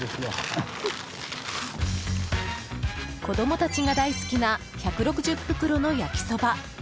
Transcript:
子供たちが大好きな１６０袋の焼きそば。